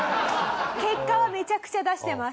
結果はめちゃくちゃ出してます。